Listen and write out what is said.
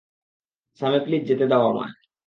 Sami please যেতে দাও আমায়!